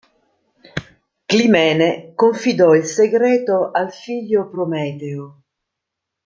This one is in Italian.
Climene confidò il segreto al figlio Prometeo.